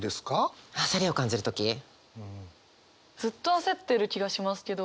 ずっと焦ってる気がしますけど。